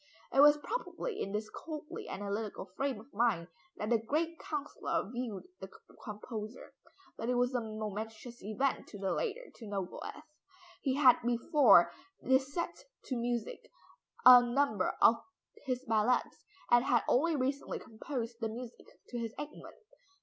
It was probably in this coldly analytical frame of mind, that the great councillor viewed the composer. But it was a momentous event to the latter to know Goethe. He had before this set to music a number of his ballads and had only recently composed the music to his Egmont.